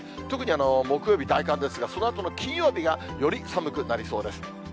特に木曜日、大寒ですが、そのあとの金曜日がより寒くなりそうです。